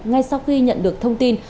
ngay sau khi nhận được thông tin